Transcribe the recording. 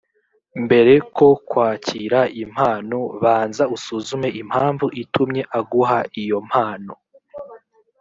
mbere ko kwakira impano, banza usuzume impamvu itumye aguha iyo mpano